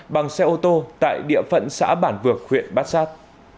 bằng xe ô tô tại địa phận xã bản vược huyện bát sát